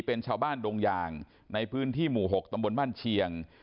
เป็นชาวบ้านดงยางในพื้นที่หมู่๖ตำบลบ้านเชียง